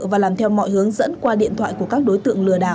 và làm theo mọi hướng dẫn qua điện thoại của các đối tượng lừa đảo